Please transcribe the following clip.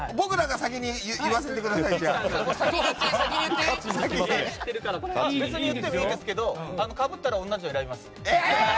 先に言ってもいいですけどかぶったら同じの選びます。